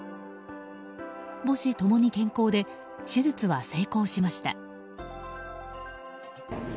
母子共に健康で手術は成功しました。